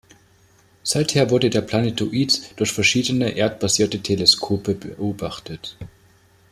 Seither wurde der Planetoid durch verschiedene erdbasierte Teleskope beobachtet.